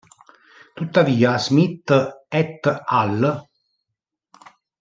Tuttavia, Smith "et al.